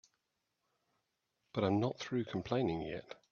But I'm not through complaining yet.